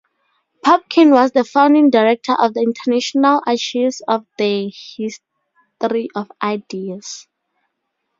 Popkin was the founding director of the International Archives of the History of Ideas.